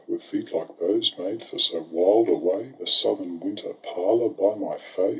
Were feet like those made for so wild a way? The southern winter parlour, by my fay.